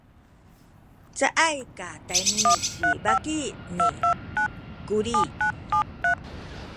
caay katayni ci baki ni Kuli.